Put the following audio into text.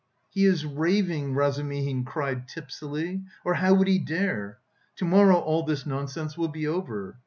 "He is raving," Razumihin cried tipsily, "or how would he dare! To morrow all this nonsense will be over...